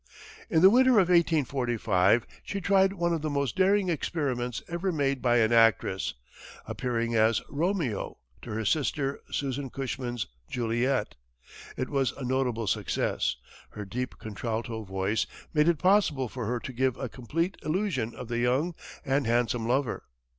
In the winter of 1845 she tried one of the most daring experiments ever made by an actress, appearing as Romeo to her sister, Susan Cushman's, Juliet. It was a notable success. Her deep contralto voice made it possible for her to give a complete illusion of the young and handsome lover.